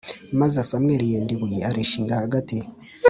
Maze Samweli yenda ibuye arishinga hagati .